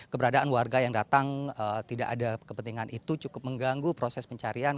keberadaan warga yang datang tidak ada kepentingan itu cukup mengganggu proses pencarian